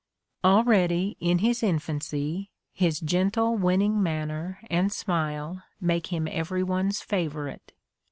Already, in his infancy, his gentle, winning manner and smile make him every one's favorite.